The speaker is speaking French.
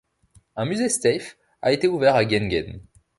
Un musée Steiff a été ouvert à Giengen.